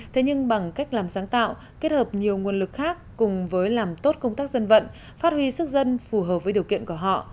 thế nhưng bằng cách làm sáng tạo kết hợp nhiều nguồn lực khác cùng với làm tốt công tác dân vận phát huy sức dân phù hợp với điều kiện của họ